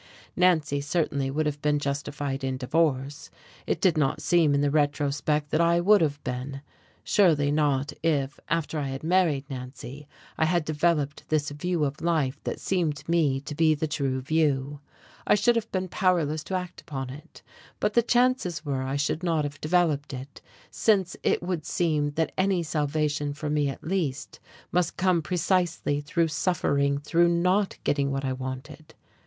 Nancy certainly would have been justified in divorce. It did not seem in the retrospect that I would have been: surely not if, after I had married Nancy, I had developed this view of life that seemed to me to be the true view. I should have been powerless to act upon it. But the chances were I should not have developed it, since it would seem that any salvation for me at least must come precisely through suffering, through not getting what I wanted.